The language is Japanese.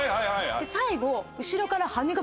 最後。